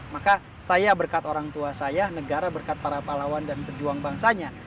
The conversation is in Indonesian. maka saya berkat orang tua saya negara berkat para pahlawan dan pejuang bangsanya